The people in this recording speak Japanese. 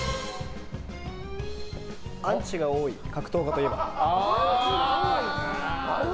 アンチが多い格闘家といえば？